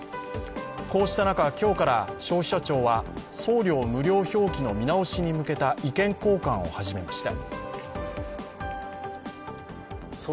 こうした中、今日から消費者庁は送料無料の表記の見直しに向けた意見交換を始めました。